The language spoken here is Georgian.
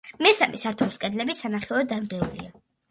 მესამე სართულის კედლები სანახევროდ დანგრეულია.